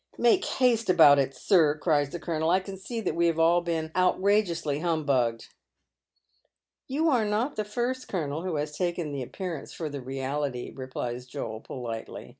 Make haste about it, sir," cries the colonel. I can see that we have all been outrageously humbugged." " You are not the first, colonel, who has taken the appearance for the reality," replies Joel, politely.